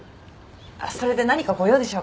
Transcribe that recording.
それで何かご用でしょうか？